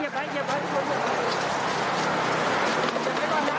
อย่าไปจะจมข่ายนะ